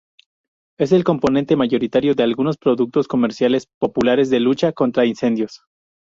Es el componente mayoritario de algunos productos comerciales populares de lucha contra incendios.